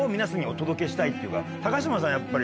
高嶋さんはやっぱり。